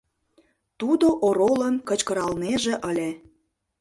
Тудо оролым кычкыралнеже ыле.